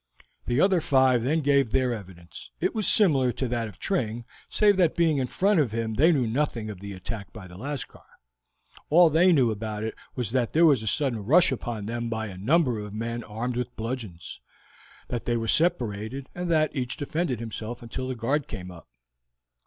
The other five then gave their evidence; it was similar to that of Tring, save that being in front of him they knew nothing of the attack by the Lascar. All they knew about it was that there was a sudden rush upon them by a number of men armed with bludgeons, that they were separated, and that each defended himself until the guard came up.